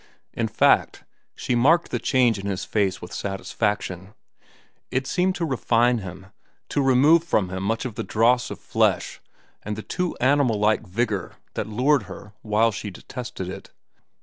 In fact, she marked the change in his face with satisfaction. It seemed to refine him, to remove from him much of the dross of flesh and the too animal like vigor that lured her while she detested it.